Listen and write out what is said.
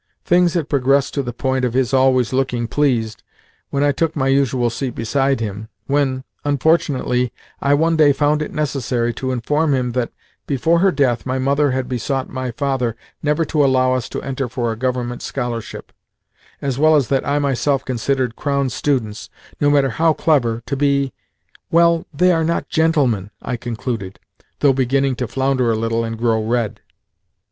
Things had progressed to the point of his always looking pleased when I took my usual seat beside him when, unfortunately, I one day found it necessary to inform him that, before her death, my mother had besought my father never to allow us to enter for a government scholarship, as well as that I myself considered Crown students, no matter how clever, to be "well, they are not GENTLEMEN," I concluded, though beginning to flounder a little and grow red.